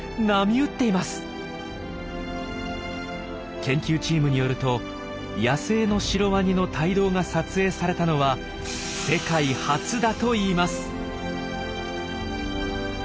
研究チームによると野生のシロワニの胎動が撮影されたのは世界初だといいます。